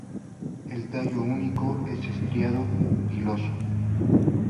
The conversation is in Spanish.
El tallo único es estriado-piloso.